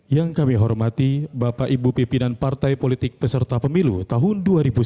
yang kami hormati bapak ibu pimpinan partai politik peserta pemilu tahun dua ribu sembilan belas